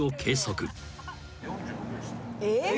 「えっ！？」